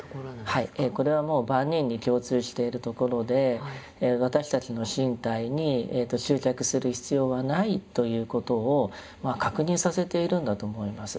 これはもう万人に共通しているところで「私たちの身体に執着する必要はない」ということを確認させているんだと思います。